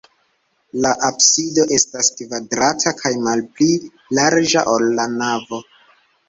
La absido estas kvadrata kaj malpli larĝa, ol la navo.